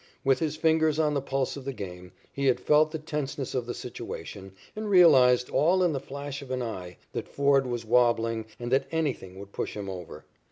With his fingers on the pulse of the game, he had felt the tenseness of the situation, and realized, all in the flash of an eye, that Ford was wabbling and that anything would push him over.